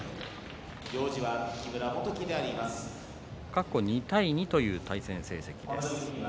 過去、２対２という対戦成績です。